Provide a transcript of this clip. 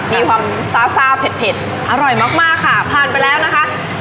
มีความซาเผ็ดอร่อยมากค่ะพอเล่นนะคะ